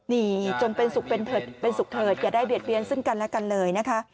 นี่จนเป็นสุขเป็นสุขเถิดอย่าได้เบียดเบียนซึ่งกันและกันเลยนะคะ